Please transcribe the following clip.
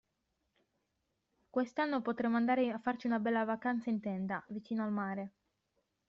Quest'anno potremmo andare a farci una bella vacanza in tenda, vicino al mare.